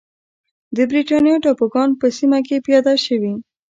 د برېټانیا ټاپوګان په سیمه کې پیاده شوې.